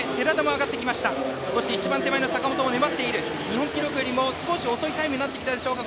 日本記録よりも少し遅いタイムになってきたでしょうか。